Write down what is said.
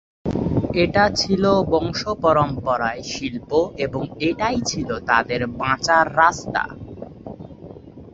এটা ছিল বংশপরম্পরায় শিল্প, এবং এটাই ছিল তাঁদের বাঁচার রাস্তা।